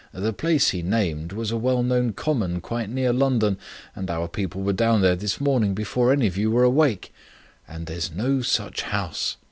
"The place he named was a well known common quite near London, and our people were down there this morning before any of you were awake. And there's no such house.